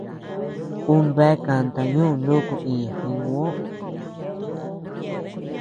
Uu bea kanta ñuuu nuku iña Jiguoo.